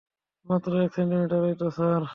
মাত্র এক সেন্টিমিটারই তো স্যার।